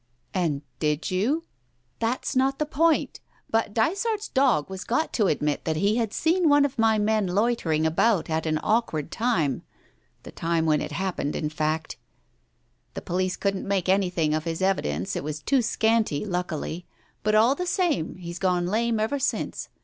"And did you " "That's not the point. But Dysart's dog was got to Digitized by Google 2o8 TALES OF THE UNEASY admit that he had seen one of my men loitering about at an awkward time — the time when it happened, in fact. The police couldn't make anything of his evidence — it was too scanty, luckily ; but all the same, he's gone lame ever since.